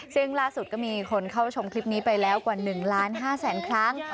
ซึ่งล่าสุดก็มีคนเข้าชมคลิปนี้ไปแล้วกว่า๑ล้าน๕แสนครั้ง